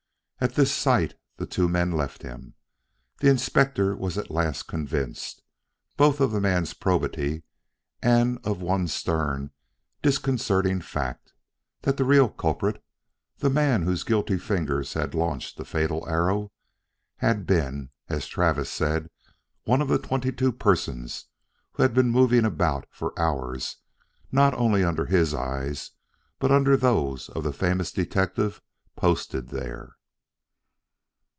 At this sight the two men left him. The Inspector was at last convinced, both of the man's probity and of one stern, disconcerting fact: that the real culprit the man whose guilty fingers had launched the fatal arrow had been, as Travis said, one of the twenty two persons who had been moving about for hours not only under his eyes but under those of the famous detective posted there.